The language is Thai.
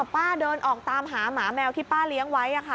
ป้าเดินออกตามหาหมาแมวที่ป้าเลี้ยงไว้